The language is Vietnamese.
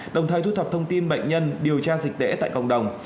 đồng thời thu thập thông tin bệnh nhân điều tra dịch tễ tại cộng đồng